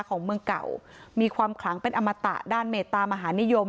ของเมืองเก่ามีความขลังเป็นอมตะด้านเมตตามหานิยม